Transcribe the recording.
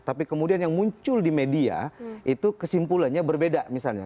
tapi kemudian yang muncul di media itu kesimpulannya berbeda misalnya